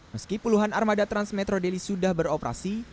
meski puluhan armada transmetro deli sudah beroperasi